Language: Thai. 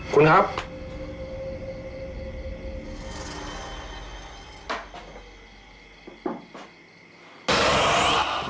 คุณครับ